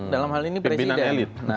dalam hal ini presiden